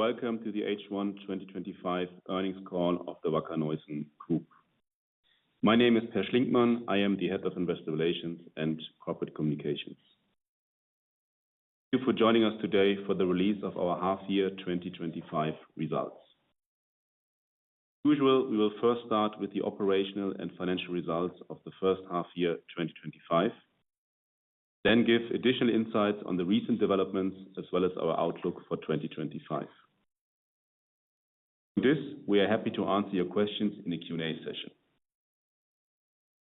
Welcome to the H1 2025 Earnings Call of the Wacker Neuson Group. My name is Peer Schlinkmann. I am the Head of Investor Relations and Corporate Communications. Thank you for joining us today for the release of our half-year 2025 results. As usual, we will first start with the operational and financial results of the first half-year 2025, then give additional insights on the recent developments as well as our outlook for 2025. In this, we are happy to answer your questions in the Q&A session.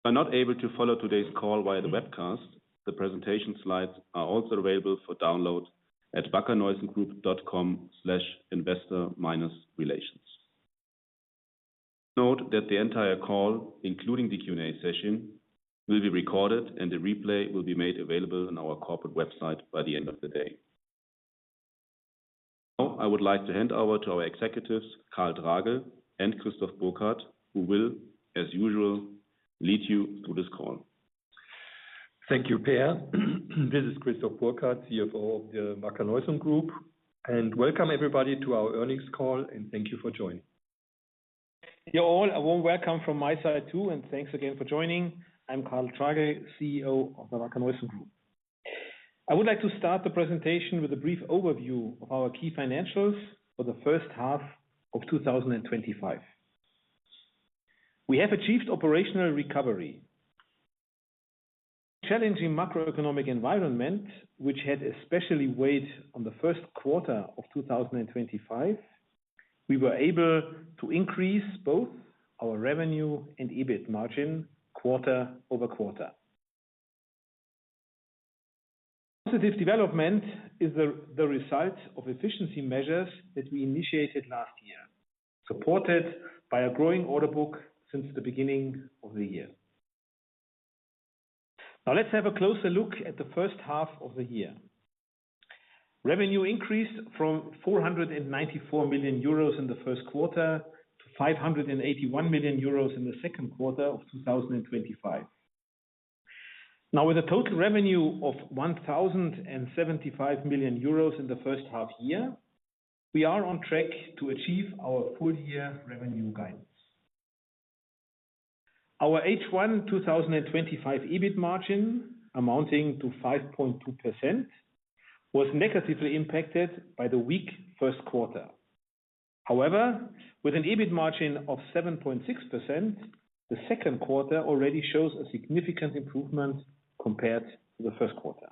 If you are not able to follow today's call via the webcast, the presentation slides are also available for download at wackerneusongroup.com/investor-relations. Note that the entire call, including the Q&A session, will be recorded and a replay will be made available on our corporate website by the end of the day. Now, I would like to hand over to our executives, Karl Tragl and Christoph Burkhard, who will, as usual, lead you through this call. Thank you, Peer. This is Christoph Burkhard, CFO of the Wacker Neuson Group, and welcome everybody to our earnings call, and thank you for joining. Hello all, a warm welcome from my side too, and thanks again for joining. I'm Karl Tragl, CEO of the Wacker Neuson Group. I would like to start the presentation with a brief overview of our key financials for the first half of 2025. We have achieved operational recovery. In a challenging macroeconomic environment, which had especially weighed on the first quarter of 2025, we were able to increase both our revenue and EBIT margin quarter-over-quarter. Positive development is the result of efficiency measures that we initiated last year, supported by a growing order book since the beginning of the year. Now, let's have a closer look at the first half of the year. Revenue increased from 494 million euros in the first quarter to 581 million euros in the second quarter of 2025. Now, with a total revenue of 1,075 million euros in the first half year, we are on track to achieve our full-year revenue guidance. Our H1 2025 EBIT margin, amounting to 5.2%, was negatively impacted by the weak first quarter. However, with an EBIT margin of 7.6%, the second quarter already shows a significant improvement compared to the first quarter.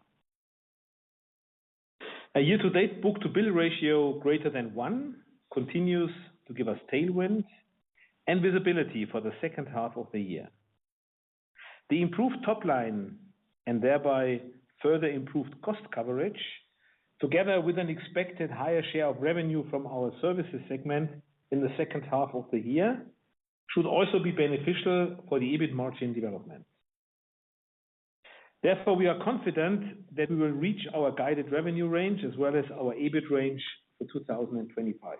A year-to-date book-to-bill ratio greater than one continues to give us tailwinds and visibility for the second half of the year. The improved top line and thereby further improved cost coverage, together with an expected higher share of revenue from our services segment in the second half of the year, should also be beneficial for the EBIT margin development. Therefore, we are confident that we will reach our guided revenue range as well as our EBIT range for 2025.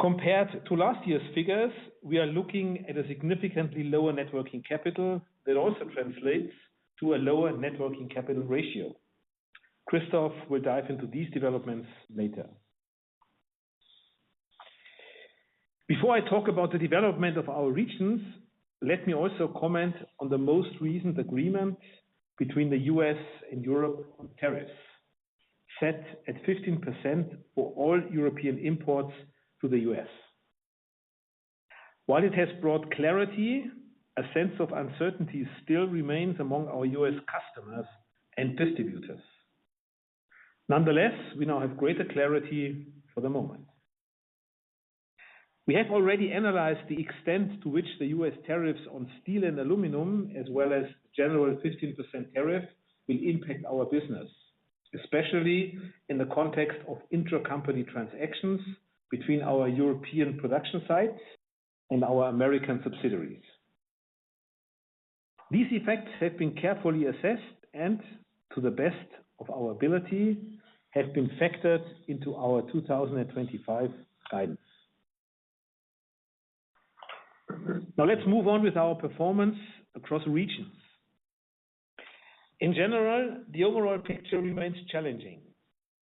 Compared to last year's figures, we are looking at a significantly lower working capital that also translates to a lower working capital ratio. Christoph will dive into these developments later. Before I talk about the development of our regions, let me also comment on the most recent agreement between the U.S. and Europe on tariffs, set at 15% for all European imports to the U.S. While it has brought clarity, a sense of uncertainty still remains among our U.S. customers and distributors. Nonetheless, we now have greater clarity for the moment. We have already analyzed the extent to which the U.S. tariffs on steel and aluminum, as well as the general 15% tariff, will impact our business, especially in the context of intercompany transactions between our European production sites and our American subsidiaries. These effects have been carefully assessed and, to the best of our ability, have been factored into our 2025 guidance. Now, let's move on with our performance across regions. In general, the overall picture remains challenging.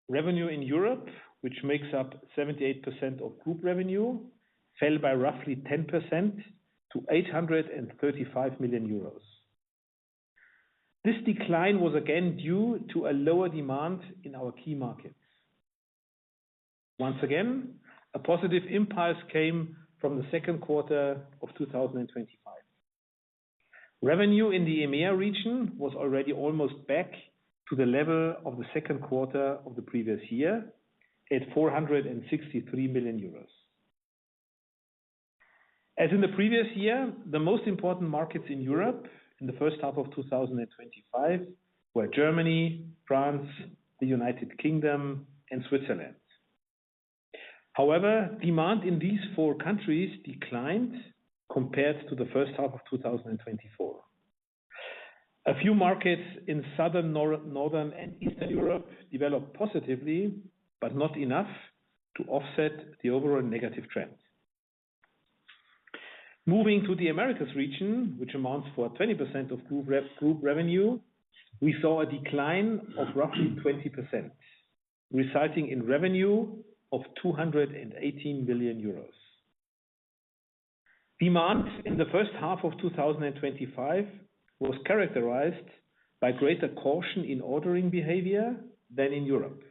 Revenue in Europe, which makes up 78% of group revenue, fell by roughly 10% to 835 million euros. This decline was again due to a lower demand in our key markets. Once again, a positive impulse came from the second quarter of 2025. Revenue in the EMEA region was already almost back to the level of the second quarter of the previous year at 463 million euros. As in the previous year, the most important markets in Europe in the first half of 2025 were Germany, France, the United Kingdom, and Switzerland. However, demand in these four countries declined compared to the first half of 2024. A few markets in Southern, Northern, and Eastern Europe developed positively, but not enough to offset the overall negative trend. Moving to the Americas region, which amounts to 20% of group revenue, we saw a decline of roughly 20%, resulting in revenue of 218 million euros. Demand in the first half of 2025 was characterized by greater caution in ordering behavior than in Europe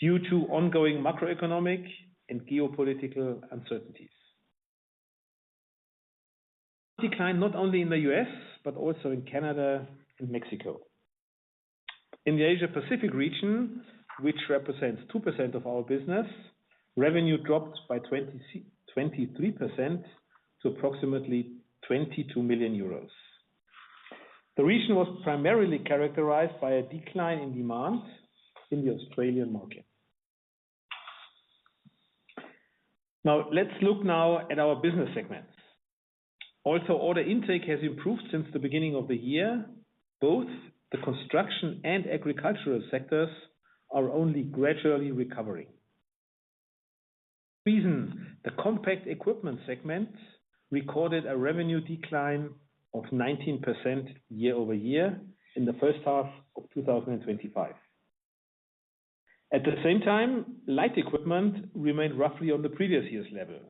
due to ongoing macroeconomic and geopolitical uncertainties. Decline not only in the U.S., but also in Canada and Mexico. In the Asia-Pacific region, which represents 2% of our business, revenue dropped by 23% to approximately 22 million euros. The region was primarily characterized by a decline in demand in the Australian market. Now, let's look at our business segments. Also, order intake has improved since the beginning of the year. Both the construction and agricultural sectors are only gradually recovering. Reasons: the compact equipment segment recorded a revenue decline of 19% year-over-year in the first half of 2025. At the same time, light equipment remained roughly on the previous year's level.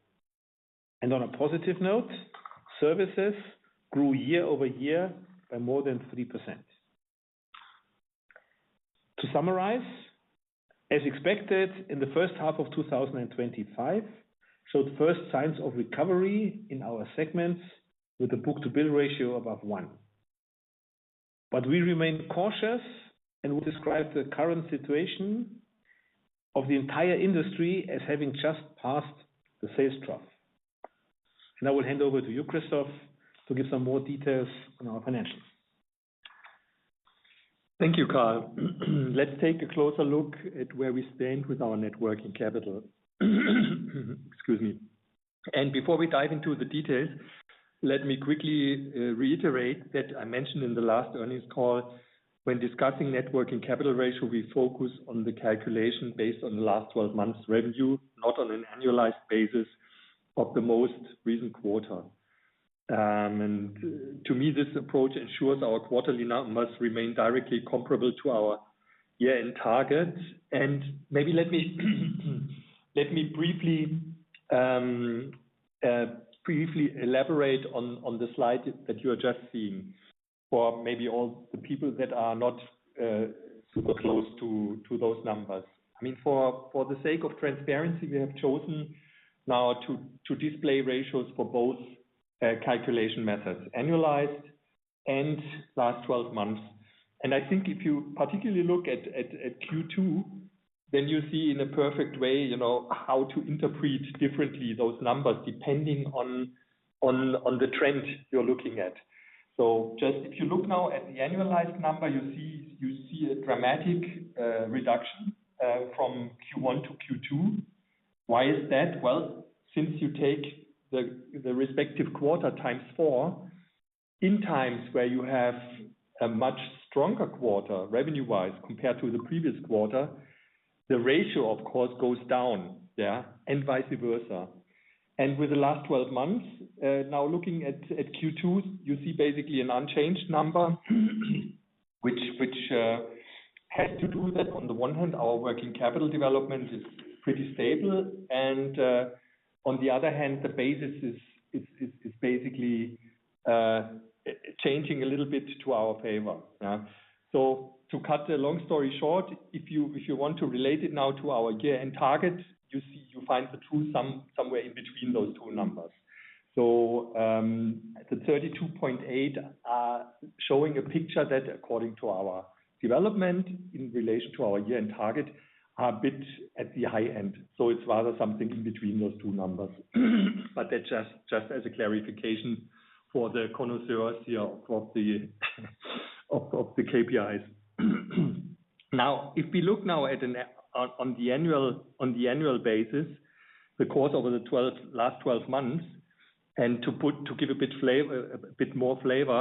On a positive note, services grew year-over-year by more than 3%. To summarize, as expected, in the first half of 2025, we saw the first signs of recovery in our segments with a book-to-bill ratio above one. We remain cautious and we describe the current situation of the entire industry as having just passed the sales trough. Now, we'll hand over to you, Christoph, to give some more details on our financials. Thank you, Karl. Let's take a closer look at where we stand with our working capital. Excuse me. Before we dive into the details, let me quickly reiterate that I mentioned in the last earnings call, when discussing working capital ratio, we focus on the calculation based on the last 12 months' revenue, not on an annualized basis of the most recent quarter. To me, this approach ensures our quarterly numbers remain directly comparable to our year-end target. Maybe let me briefly elaborate on the slide that you are just seeing for maybe all the people that are not super close to those numbers. For the sake of transparency, we have chosen now to display ratios for both calculation methods, annualized and last 12 months. I think if you particularly look at Q2, then you see in a perfect way how to interpret differently those numbers depending on the trend you're looking at. If you look now at the annualized number, you see a dramatic reduction from Q1 to Q2. Why is that? Since you take the respective quarter times four, in times where you have a much stronger quarter revenue-wise compared to the previous quarter, the ratio, of course, goes down there and vice versa. With the last 12 months, now looking at Q2, you see basically an unchanged number, which has to do with that, on the one hand, our working capital development is pretty stable. On the other hand, the basis is basically changing a little bit to our favor. To cut the long story short, if you want to relate it now to our year-end target, you see you find the true sum somewhere in between those two numbers. The 32.8% are showing a picture that, according to our development in relation to our year-end target, are a bit at the high end. It's rather something in between those two numbers. That's just as a clarification for the connoisseurs here of the KPIs. If we look now at an on the annual basis, the course over the last 12 months, and to give a bit more flavor,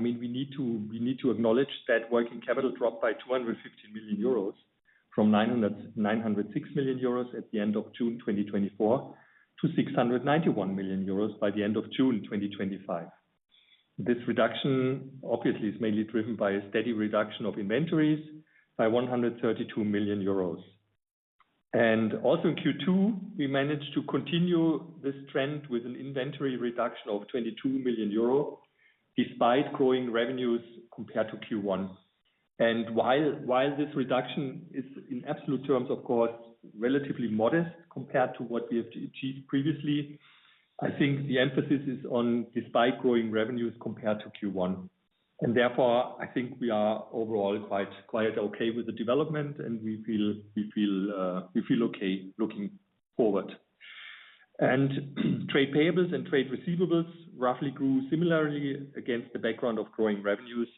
we need to acknowledge that working capital dropped by 215 million euros from 906 million euros at the end of June 2024 to 691 million euros by the end of June 2025. This reduction obviously is mainly driven by a steady reduction of inventories by 132 million euros. Also in Q2, we managed to continue this trend with an inventory reduction of 22 million euro despite growing revenues compared to Q1. While this reduction is, in absolute terms, of course, relatively modest compared to what we have achieved previously, I think the emphasis is on despite growing revenues compared to Q1. Therefore, I think we are overall quite okay with the development, and we feel okay looking forward. Trade payables and trade receivables roughly grew similarly against the background of growing revenues.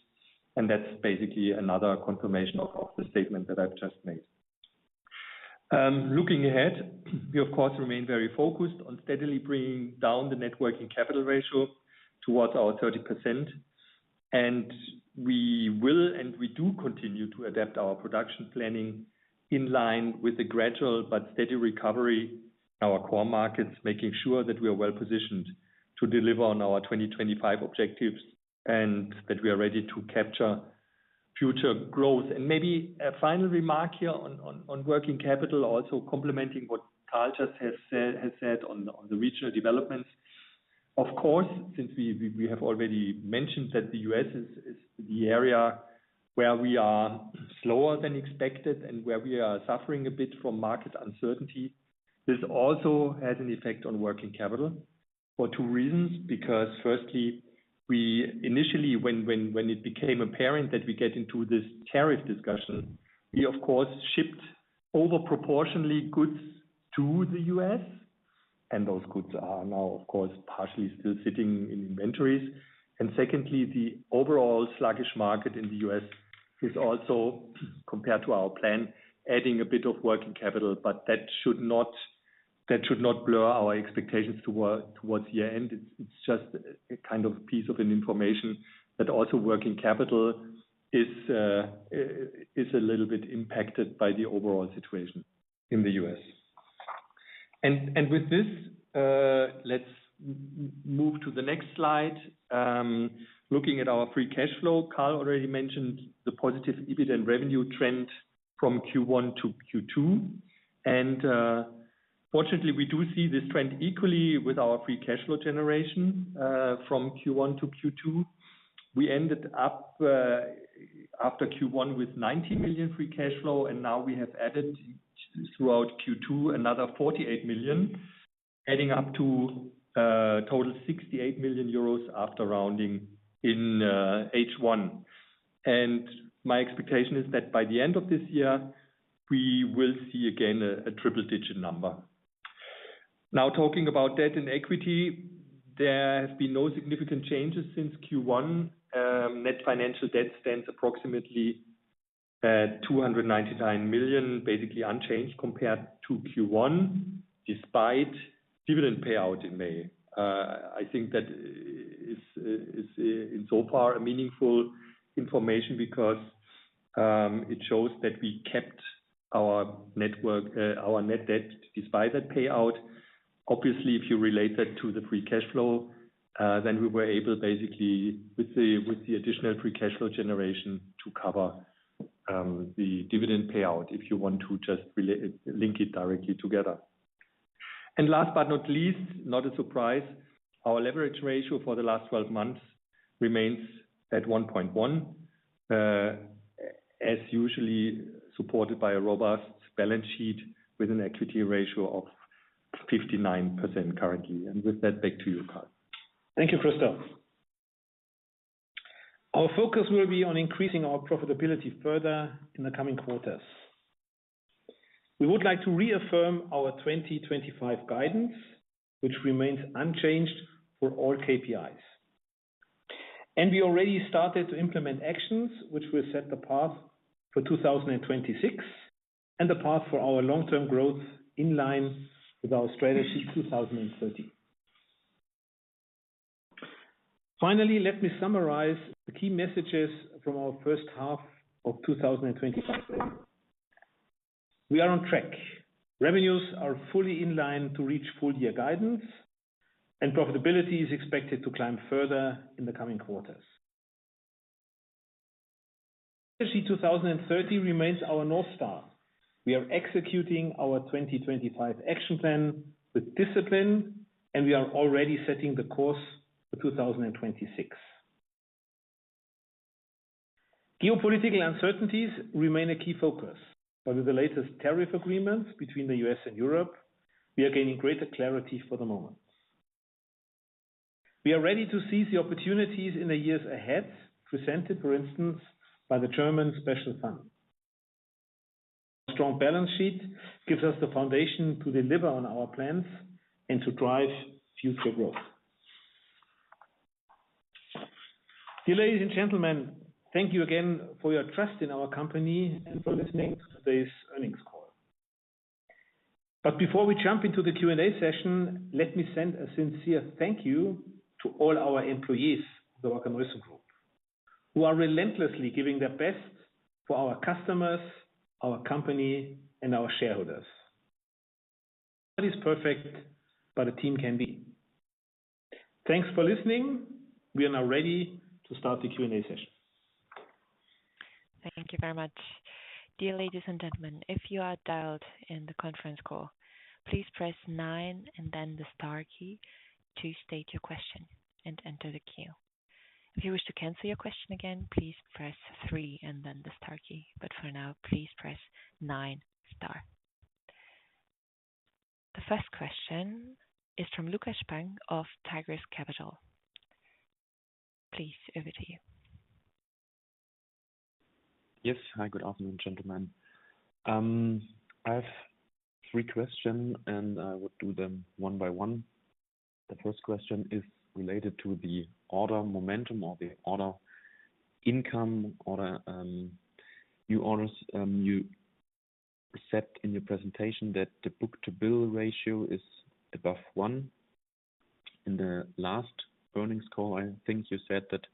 That's basically another confirmation of the statement that I've just made. Looking ahead, we, of course, remain very focused on steadily bringing down the net working capital ratio towards our 30%. We will and we do continue to adapt our production planning in line with the gradual but steady recovery in our core markets, making sure that we are well positioned to deliver on our 2025 objectives and that we are ready to capture future growth. Maybe a final remark here on working capital, also complementing what Karl just has said on the regional developments. Of course, since we have already mentioned that the U.S. is the area where we are slower than expected and where we are suffering a bit from market uncertainty, this also has an effect on working capital for two reasons. Firstly, we initially, when it became apparent that we get into this tariff discussion, we, of course, shipped overproportionately goods to the U.S. Those goods are now, of course, partially still sitting in inventories. Secondly, the overall sluggish market in the U.S. is also, compared to our plan, adding a bit of working capital. That should not blur our expectations towards year-end. It's just a kind of a piece of information that also working capital is a little bit impacted by the overall situation in the U.S. With this, let's move to the next slide. Looking at our free cash flow, Karl already mentioned the positive EBIT and revenue trend from Q1 to Q2. Fortunately, we do see this trend equally with our free cash flow generation from Q1 to Q2. We ended up after Q1 with 90 million free cash flow, and now we have added throughout Q2 another 48 million, adding up to a total of 68 million euros after rounding in H1. My expectation is that by the end of this year, we will see again a triple-digit number. Now, talking about debt and equity, there have been no significant changes since Q1. Net financial debt stands approximately at 299 million, basically unchanged compared to Q1, despite dividend payout in May. I think that is insofar a meaningful information because it shows that we kept our net financial debt despite that payout. Obviously, if you relate that to the free cash flow, then we were able basically with the additional free cash flow generation to cover the dividend payout if you want to just link it directly together. Last but not least, not a surprise, our leverage ratio for the last 12 months remains at 1.1x, as usually supported by a robust balance sheet with an equity ratio of 59% currently. With that, back to you, Karl. Thank you, Christoph. Our focus will be on increasing our profitability further in the coming quarters. We would like to reaffirm our 2025 guidance, which remains unchanged for all KPIs. We already started to implement actions, which will set the path for 2026 and the path for our long-term growth in line with our Strategy 2030. Finally, let me summarize the key messages from our first half of 2025. We are on track. Revenues are fully in line to reach full-year guidance, and profitability is expected to climb further in the coming quarters. Strategy 2030 remains our north star. We are executing our 2025 action plan with discipline, and we are already setting the course for 2026. Geopolitical uncertainties remain a key focus, but with the latest tariff agreements between the U.S. and Europe, we are gaining greater clarity for the moment. We are ready to seize the opportunities in the years ahead, presented, for instance, by the German Special Fund. A strong balance sheet gives us the foundation to deliver on our plans and to drive future growth. Ladies and gentlemen, thank you again for your trust in our company and for listening to today's earnings call. Before we jump into the Q&A session, let me send a sincere thank you to all our employees of the Wacker Neuson Group, who are relentlessly giving their best for our customers, our company, and our shareholders. That is perfect but a team can be. Thanks for listening. We are now ready to start the Q&A session. Thank you very much. Dear ladies and gentlemen, if you are dialed in the conference call, please press nine and then the star key to state your question and enter the queue. If you wish to cancel your question again, please press three and then the star key. For now, please press nine star. The first question is from Lukas Spang of Tigris Capital. Please, over to you. Yes. Hi. Good afternoon, gentlemen. I have three questions, and I would do them one by one. The first question is related to the order momentum or the order income or new orders. You said in your presentation that the book-to-bill ratio is above one. In the last earnings call, I think you said that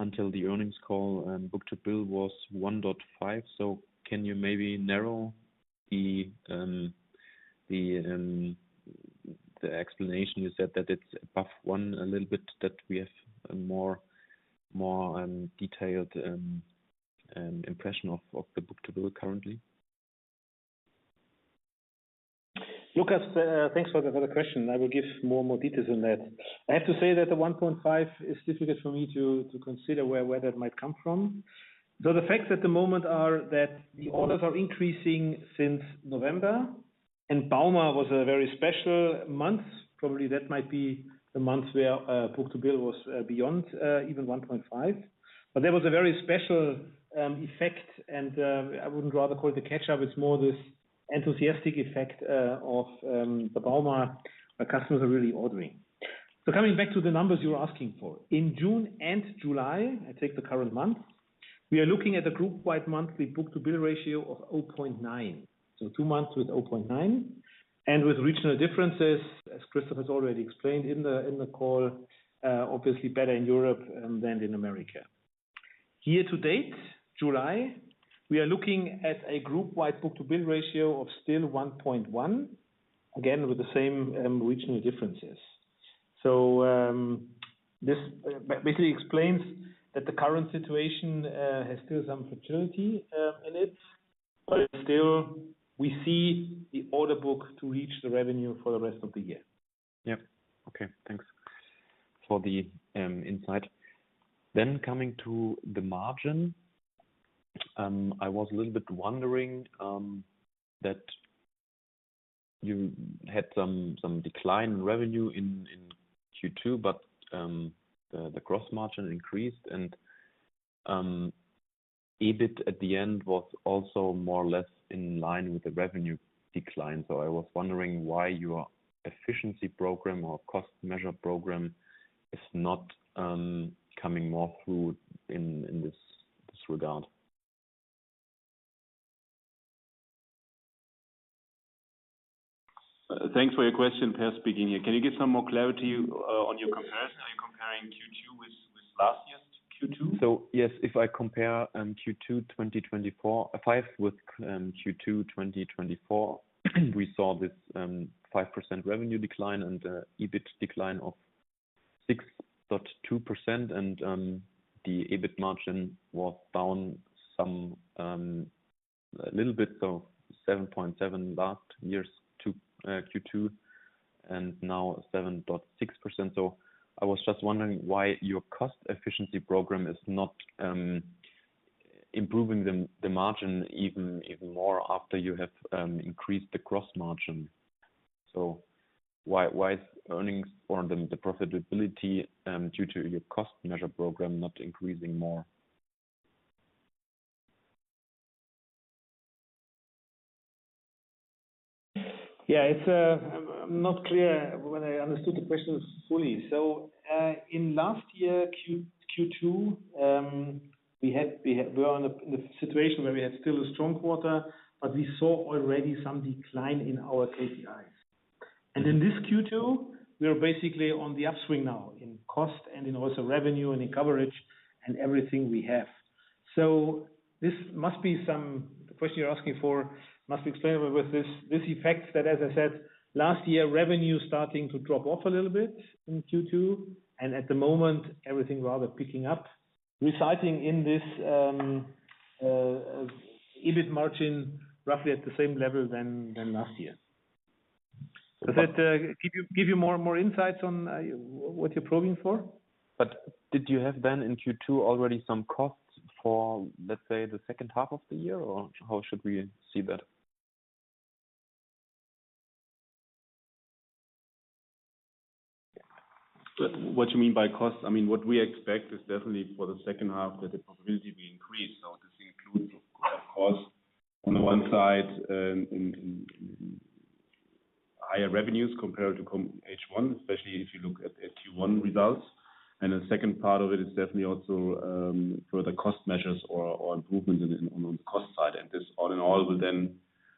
until the earnings call, book-to-bill was 1.5x. Can you maybe narrow the explanation? You said that it's above one a little bit, that we have a more detailed impression of the book-to-bill currently. Lukas, thanks for the question. I will give more and more details on that. I have to say that the 1.5x is difficult for me to consider where that might come from. The facts at the moment are that the orders are increasing since November, and Bauma was a very special month. Probably that might be the month where book-to-bill was beyond even 1.5x. There was a very special effect, and I wouldn't rather call it a catch-up. It's more this enthusiastic effect of the Bauma, where customers are really ordering. Coming back to the numbers you were asking for, in June and July, I take the current month, we are looking at the group-wide monthly book-to-bill ratio of 0.9x. Two months with 0.9x and with regional differences, as Christoph has already explained in the call, obviously better in Europe than in America. Year to date, July, we are looking at a group-wide book-to-bill ratio of still 1.1x, again with the same regional differences. This basically explains that the current situation has still some fragility in it, but it's still we see the order book to reach the revenue for the rest of the year. Okay. Thanks for the insight. Coming to the margin, I was a little bit wondering that you had some decline in revenue in Q2, but the gross margin increased, and EBIT at the end was also more or less in line with the revenue decline. I was wondering why your efficiency program or cost measure program is not coming more through in this regard. Thanks for your question. Peer speaking here, can you give some more clarity on your comparison? Are you comparing Q2 with last year's Q2? If I compare Q2 2025 with Q2 2024, we saw this 5% revenue decline and the EBIT decline of 6.2%. The EBIT margin was down a little bit, so 7.7% last year's Q2 and now 7.6%. I was just wondering why your cost efficiency program is not improving the margin even more after you have increased the gross margin. Why is earnings or the profitability due to your cost measure program not increasing more? Yeah, it's not clear whether I understood the question fully. In last year Q2, we were in a situation where we had still a strong quarter, but we saw already some decline in our KPIs. In this Q2, we are basically on the upswing now in cost and in also revenue and in coverage and everything we have. This must be, the question you're asking for must be explainable with this effect that, as I said, last year, revenue started to drop off a little bit in Q2. At the moment, everything is rather picking up, resulting in this EBIT margin roughly at the same level as last year. Does that give you more insights on what you're probing for? Did you have then in Q2 already some costs for, let's say, the second half of the year, or how should we see that? What do you mean by cost? I mean, what we expect is definitely for the second half that the profitability will increase. This includes, of course, on the one side, higher revenues compared to H1, especially if you look at Q1 results. The second part of it is definitely also for the cost measures or improvement on the cost side. All in all, this will then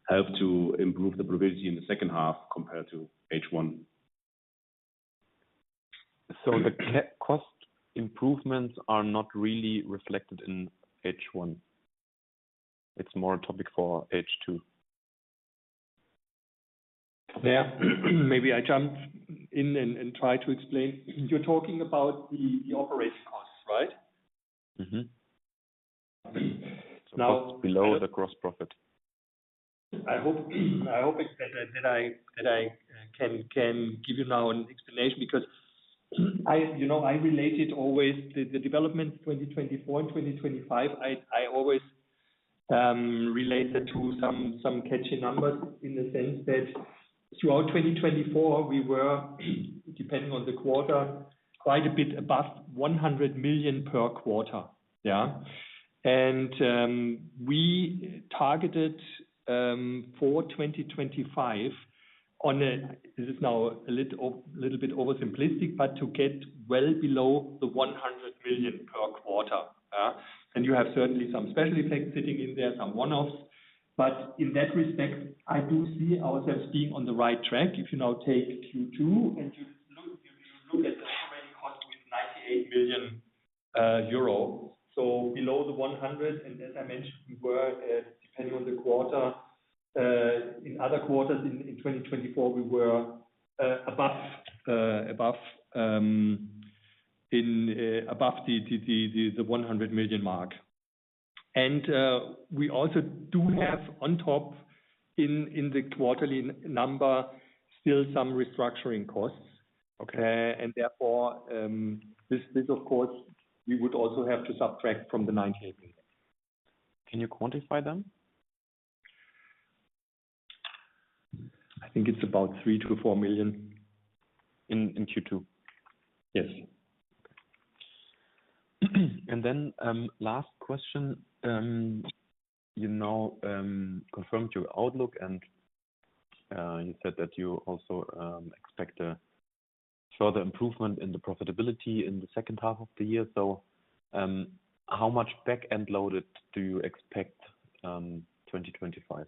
help to improve the profitability in the second half compared to H1. The cost improvements are not really reflected in H1. It's more a topic for H2. Maybe I jump in and try to explain. You're talking about the operating costs, right? Now it's below the gross profit. I hope that I can give you now an explanation because I relate it always to the developments 2024 and 2025. I always relate it to some catchy numbers in the sense that throughout 2024, we were, depending on the quarter, quite a bit above 100 million per quarter. Yeah. We targeted for 2025 on a this is now a little bit over-simplistic, but to get well below the 100 million per quarter. You have certainly some special effects sitting in there, some one-offs. In that respect, I do see ourselves being on the right track. If you now take Q2 and you look at the operating cost with 98 million euro, so below the 100 million. As I mentioned, we were, depending on the quarter, in other quarters in 2024, we were above the 100 million mark. We also do have on top in the quarterly number still some restructuring costs. Okay. Therefore, this, of course, we would also have to subtract from the 98 million. Can you quantify them? I think it's about 3 million-4 million in Q2. Yes. You now confirmed your outlook, and you said that you also expect a further improvement in the profitability in the second half of the year. How much backend loaded do you expect in 2025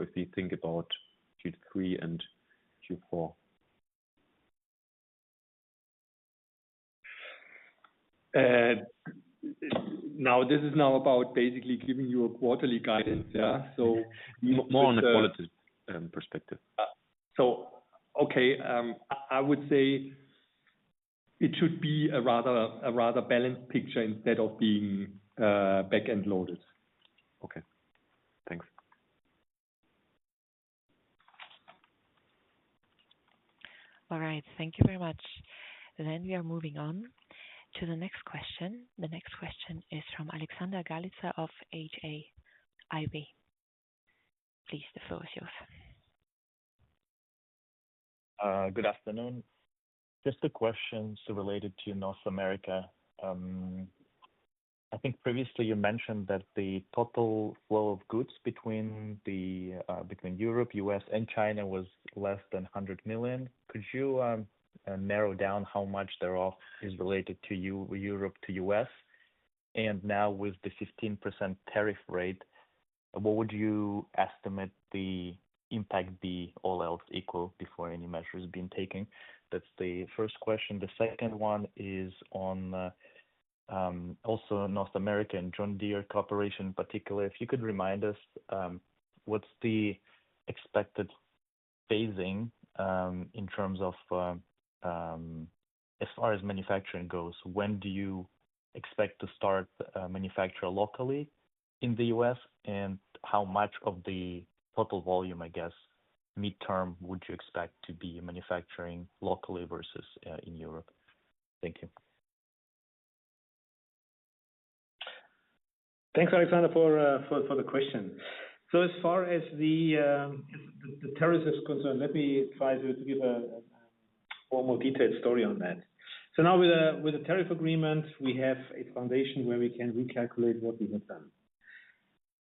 if we think about Q3 and Q4? Now, this is about basically giving you a quarterly guidance, yeah? More on a quarterly perspective. I would say it should be a rather balanced picture instead of being backend loaded. Okay. Thanks. All right. Thank you very much. We are moving on to the next question. The next question is from Alexander Gelis of HIAB. Please, the floor is yours. Good afternoon. Just a question related to North America. I think previously you mentioned that the total flow of goods between Europe, U.S., and China was less than 100 million. Could you narrow down how much there is related to Europe to U.S.? Now with the 15% tariff rate, what would you estimate the impact be? All else equal before any measure is being taken. That's the first question. The second one is also on North America and John Deere cooperation in particular. If you could remind us, what's the expected phasing in terms of as far as manufacturing goes? When do you expect to start manufacturing locally in the U.S.? How much of the total volume, I guess, midterm would you expect to be manufacturing locally versus in Europe? Thank you. Thanks, Alexander, for the question. As far as the tariffs are concerned, let me try to give a formal detailed story on that. Now with the tariff agreement, we have a foundation where we can recalculate what we have done.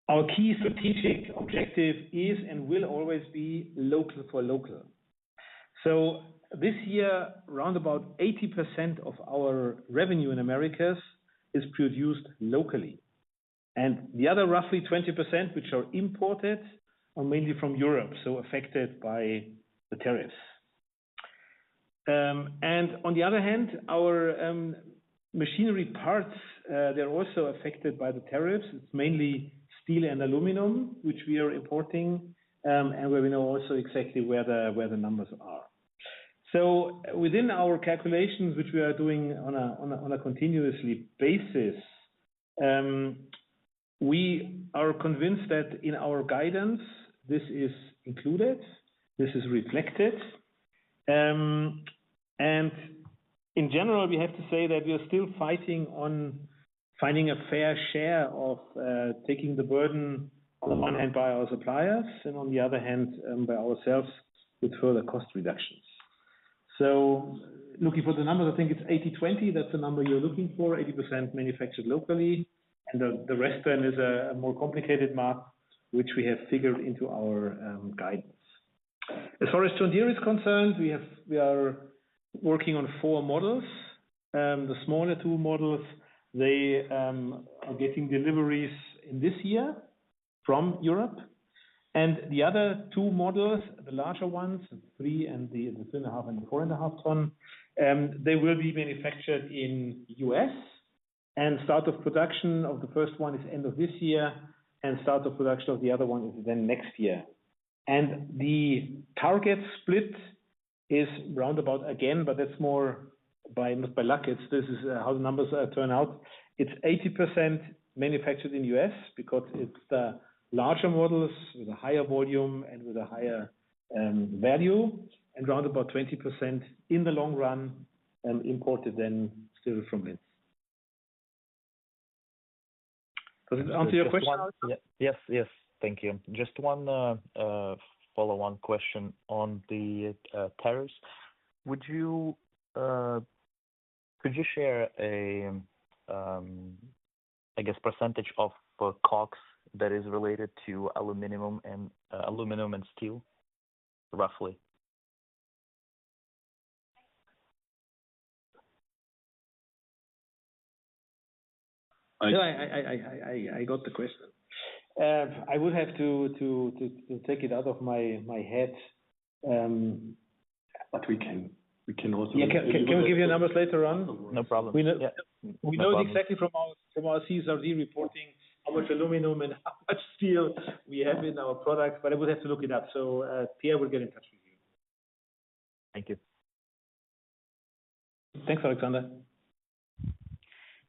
Our key strategic objective is and will always be local for local. This year, around 80% of our revenue in the Americas is produced locally. The other roughly 20%, which are imported, are mainly from Europe, so affected by the tariffs. On the other hand, our machinery parts are also affected by the tariffs. It's mainly steel and aluminum, which we are importing and where we know also exactly where the numbers are. Within our calculations, which we are doing on a continuous basis, we are convinced that in our guidance, this is included, this is reflected. In general, we have to say that we are still fighting on finding a fair share of taking the burden on the one hand by our suppliers and on the other hand by ourselves with further cost reductions. Looking for the numbers, I think it's 80/20. That's the number you're looking for: 80% manufactured locally. The rest then is a more complicated mark, which we have figured into our guidance. As far as John Deere is concerned, we are working on four models. The smaller two models are getting deliveries in this year from Europe. The other two models, the larger ones, the three and the three and a half and the four and a half ton, will be manufactured in the U.S. Start of production of the first one is end of this year, and start of production of the other one is next year. The target split is roundabout again, but that's more by not by luck. This is how the numbers turn out. It's 80% manufactured in the U.S. because it's the larger models with a higher volume and with a higher value. Roundabout 20% in the long run imported then still from it. Does it answer your question? Yes, thank you. Just one follow-on question on the tariffs. Could you share a percentage of the COGS that is related to aluminum and steel, roughly? I got the question. I would have to take it out of my head. We can also. Can we give you numbers later on? No problem. We know exactly from our CSRD reporting how much aluminum and how much steel we have in our product, but I would have to look it up. Peer, we'll get in touch with you. Thank you. Thanks, Alexander.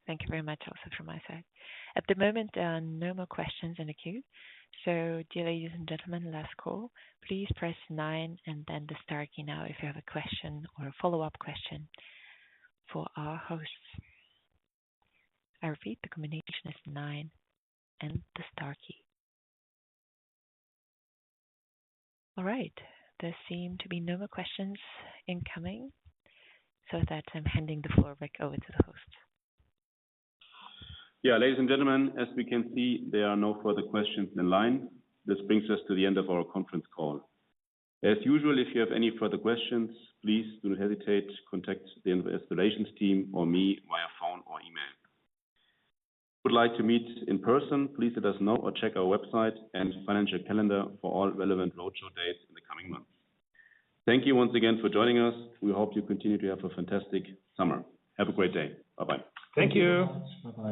Thank you very much also from my side. At the moment, there are no more questions in the queue. Dear ladies and gentlemen, last call. Please press nine and then the star key now if you have a question or a follow-up question for our hosts. I repeat, the combination is nine and the star key. All right, there seem to be no more questions incoming, so I am handing the floor back over to the host. Ladies and gentlemen, as we can see, there are no further questions in line. This brings us to the end of our conference call. As usual, if you have any further questions, please do not hesitate to contact the investor relations team or me via phone or email. If you would like to meet in person, please let us know or check our website and financial calendar for all relevant roadshow dates in the coming months. Thank you once again for joining us. We hope you continue to have a fantastic summer. Have a great day. Bye-bye. Thank you. Bye-bye.